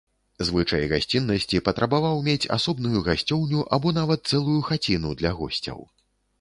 Звычай гасціннасці патрабаваў мець асобную гасцёўню або нават цэлую хаціну для госцяў.